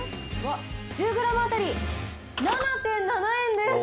１０グラム当たり７．７円です。